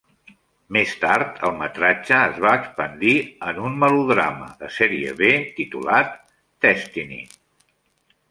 Més tard el metratge es va expandir en un melodrama de sèrie B titulat "Destiny".